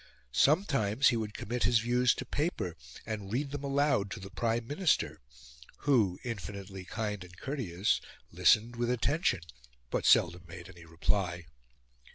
Sometimes he would commit his views to paper, and read them aloud to the Prime Minister, who, infinitely kind and courteous, listened with attention, but seldom made any reply.